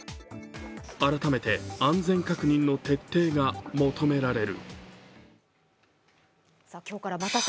改めて安全確認の徹底が求められる。